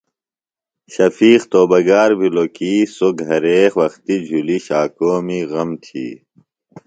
شفیق توبہ گار بِھلوۡ کی سوۡ گھرے وختیۡ جُھلیۡ شاکومی غم تھی۔